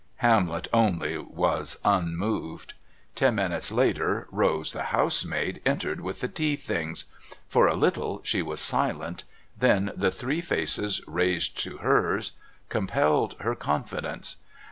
Hamlet only was unmoved. Ten minutes later, Rose, the housemaid, entered with the tea things. For a little she was silent. Then the three faces raised to hers compelled her confidence.